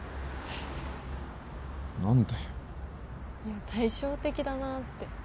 いや対照的だなって。